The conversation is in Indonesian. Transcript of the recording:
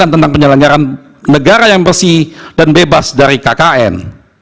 tentang penyelenggaran negara yang bersih dan bebas dari kkn